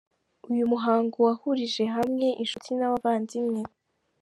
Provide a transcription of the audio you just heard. Uyu muhango wahurije hamwe inshuti n'abavandimwe.